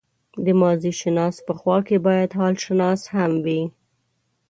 د ماضيشناس په خوا کې بايد حالشناس هم وي.